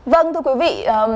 vâng thưa quý vị